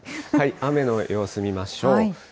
雨の様子見ましょう。